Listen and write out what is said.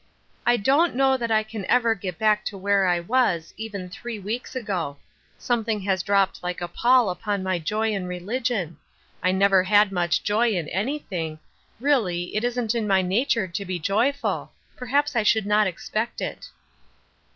" I don't know that I can ever get back to where I was, even three weeks ago. Something has dropped like a pall upon my joy in relig ion. I never had much joy in anything. Really, ''Hearken Unto ilffe," 377 it isn't my nature to be joyful. Perhaps I should not expect it."